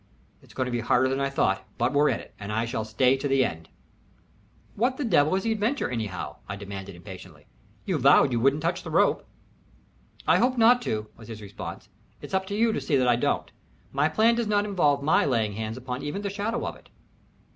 It's going to be harder than I thought, but we're in it, and I shall stay to the end." "What the devil is the adventure, anyhow?" I demanded, impatiently. "You vowed you wouldn't touch the rope." "I hope not to," was his response. "It is up to you to see that I don't. My plan does not involve my laying hands upon even the shadow of it."